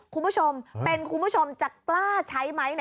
คุณผู้ชมเป็นคุณผู้ชมจะกล้าใช้ไหม